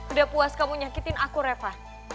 udah puas kamu nyakitin aku reva